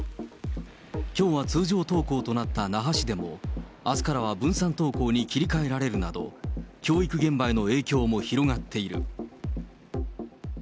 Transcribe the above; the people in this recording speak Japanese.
きょうは通常登校となった那覇市でも、あすからは分散登校に切り替えられるなど、教育現場への影響も広がっている。